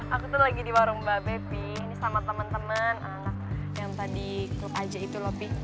aku tuh lagi di warung mbak bebi ini sama temen temen anak yang tadi klub aja itu loh pi